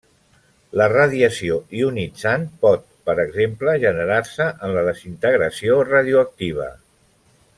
La radiació ionitzant pot, per exemple, generar-se en la desintegració radioactiva.